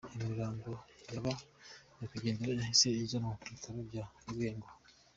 Imirambo ya ba nyakwigendera yahise ijyanwa ku bitaro bya Lwengo.